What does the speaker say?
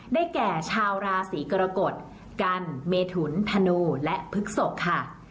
ได้แก่ชาวราศีกรกฎกันเมถุนธนูและพฤกษกค่ะ